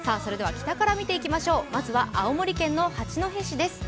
北から見ていきましょう青森県の八戸市です。